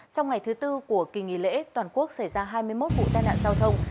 trong ngày thứ tư của kỳ nghỉ lễ toàn quốc xảy ra hai mươi một vụ tai nạn giao thông